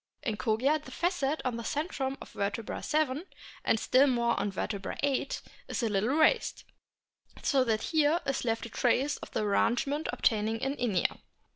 In Kogia the facet on the centrum of vertebra 7, and still more on vertebra 8, is a little raised, so that here is left a trace of the arrangement obtaining in Inia.